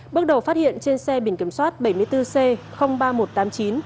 bước đầu phát hiện trên xe biển kiểm soát bảy mươi bốn c ba nghìn một trăm tám mươi chín